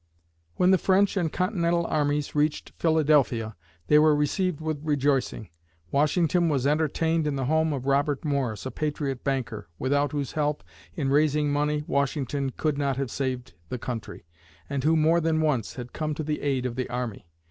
When the French and Continental armies reached Philadelphia, they were received with rejoicing. Washington was entertained in the home of Robert Morris, a patriot banker, without whose help, in raising money, Washington could not have saved the country and who more than once had come to the aid of the army.